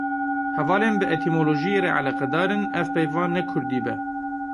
Hevalên bi etîmolojiyê re eleqedar in, ev peyva ne kurdî be?